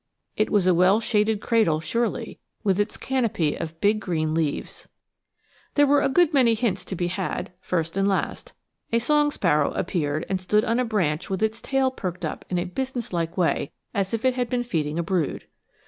It was a well shaded cradle surely, with its canopy of big green leaves. There were a good many hints to be had, first and last. A song sparrow appeared and stood on a branch with its tail perked up in a business like way as if it had been feeding a brood.